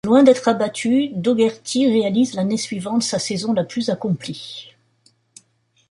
Loin d’être abattu, Daugherty réalise l’année suivante sa saison la plus accomplie.